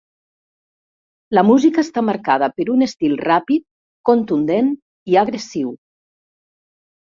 La música està marcada per un estil ràpid, contundent i agressiu.